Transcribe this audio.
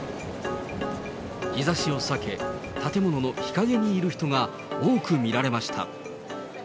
日ざしを避け、建物の日陰にいる人が多く見られました。